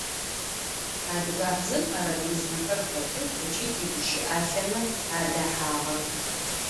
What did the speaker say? Адыгабзэм арабизмэхэр хэтых ыкӏи тигущыӏалъэмэ адэхьагъэх.